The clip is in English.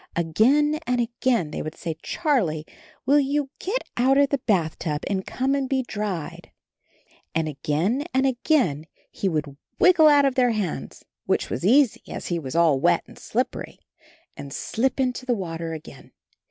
Again and again they would say, "Charlie, will you get out of the bathtub and come and be dried?" And again and again he would 27 28 CHARLIE wriggle out of their hands, which was easy, as he was all wet and slippery, and slip into the water again.